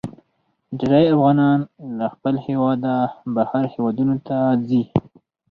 ډیرې افغانان له خپل هیواده بهر هیوادونو ته ځي.